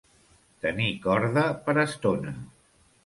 Tenir corda per estona.